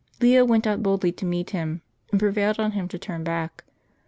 Leo went out boldly to meet him, and prevailed on him to turn back.